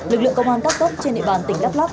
lực lượng công an tắt tốc trên địa bàn tỉnh đắk lắk